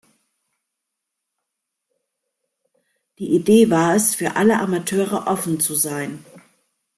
Die Idee war es, für alle Amateure offen zu sein.